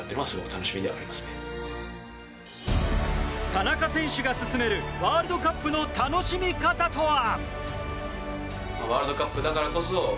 田中選手が勧めるワールドカップの楽しみ方とは？